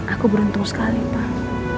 aku beruntung sekali pak